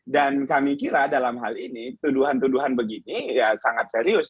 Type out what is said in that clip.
dan kami kira dalam hal ini tuduhan tuduhan begini ya sangat serius